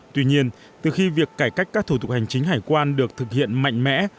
tuy nhiên từ khi việc cải cách các thủ tục hành chính hải quan được thực hiện mạnh mẽ